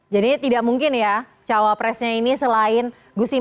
jadi tidak mungkin ya cawapresnya ini selain gus imin